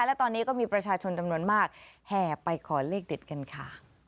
และตอนนี้ก็มีประชาชนจำนวนมากแห่ไปขอเลขเด็ดกันค่ะ